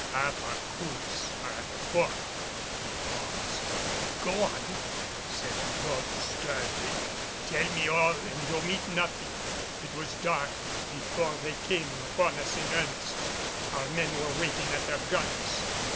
Half of our crews are at the Fort." He paused. "Go on," said Ribault, sternly. "Tell me all and omit nothing." "It was dark before they came upon us in earnest, our men were waiting at their guns.